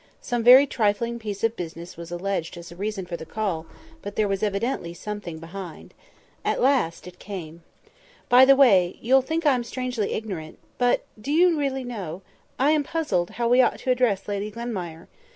Some very trifling piece of business was alleged as a reason for the call; but there was evidently something behind. At last out it came. "By the way, you'll think I'm strangely ignorant; but, do you really know, I am puzzled how we ought to address Lady Glenmire.